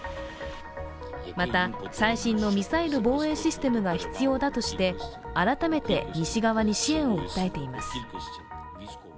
また、最新のミサイル防衛システムが必要だとして改めて西側に支援を訴えています。